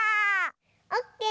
オッケー！